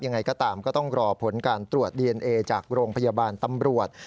ยังไงก็ตามก็ต้องรอผลการตรวจดีเอนเอจากโรงพยาบาลตำรวจ